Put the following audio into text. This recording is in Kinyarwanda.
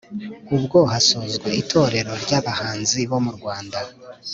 ubwo hasozwaga itorero ry’abahanzi bo mu rwanda,